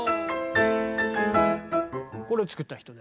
これを作った人で。